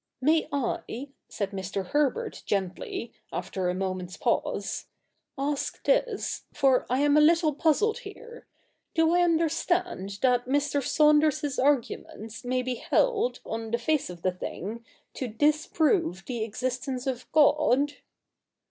' May I,' said Mr. Herbert gently, after a moment's pause, ' ask this, for I am a little puzzled here. Do I understand that Mr. Saunders's arguments may be held, on the face of the thing, to disprove the existence of God?'